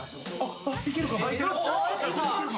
いけるかも。